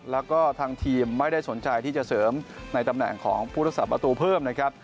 แล้วก็ทางทีมไม่ได้สนใจที่จะเสริมในตำแหน่งของผู้รักษาประตูเพิ่มนะครับ